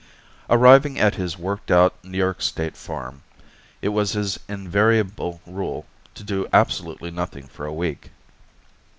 Arriving at his worked out New York State farm, it was his invariable rule to do absolutely nothing for a week.